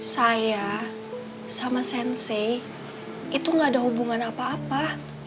saya sama sensei itu nggak ada hubungan apa apa